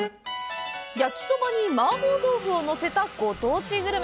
焼きそばに麻婆豆腐を載せたご当地グルメ。